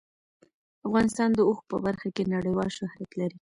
افغانستان د اوښ په برخه کې نړیوال شهرت لري.